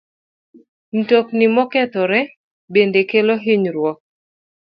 Mtokni mokethore bende kelo hinyruok.